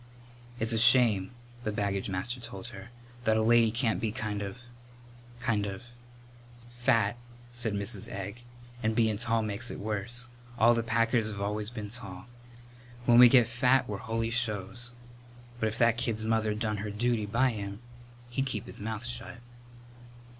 "It's a shame," the baggage master told her, "that a lady can't be kind of kind of " "Fat," said Mrs. Egg; "and bein' tall makes it worse. All the Packers 've always been tall. When we get fat we're holy shows. But if that kid's mother's done her duty by him he'd keep his mouth shut."